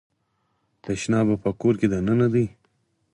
تشناب مو په کور کې دننه دی؟